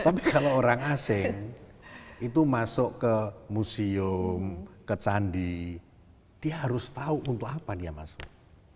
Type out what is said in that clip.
tapi kalau orang asing itu masuk ke museum ke candi dia harus tahu untuk apa dia masuk